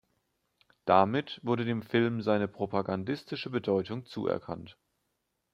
Damit wurde dem Film seine propagandistische Bedeutung zuerkannt.